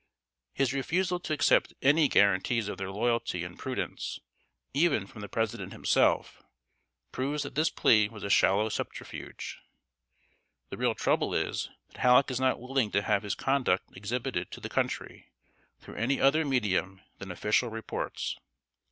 His refusal to accept any guaranties of their loyalty and prudence, even from the President himself, proves that this plea was a shallow subterfuge. The real trouble is, that Halleck is not willing to have his conduct exhibited to the country through any other medium than official reports.